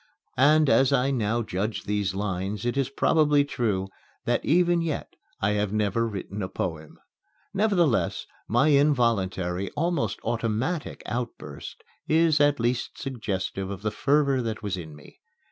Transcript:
And, as I now judge these lines, it is probably true that even yet I have never written a poem. Nevertheless, my involuntary, almost automatic outburst is at least suggestive of the fervor that was in me.